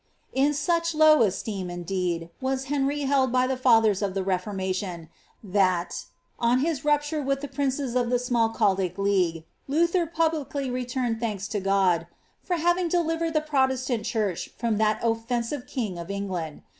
In such low esteem, indeed, was Henry held by the &theif of the Hrformation* that, on his rupture with the princes of the Smal raldick leafrue, Luther puhlirly returned thanks to God ^for having de livered the Protestant church from that offensive king of Elngland.